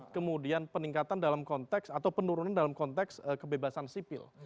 kemudian peningkatan dalam konteks atau penurunan dalam konteks kebebasan sipil